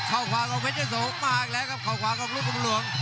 เข้าขวาของเพชรยะโสมาอีกแล้วครับเข้าขวาของลูกเมืองหลวง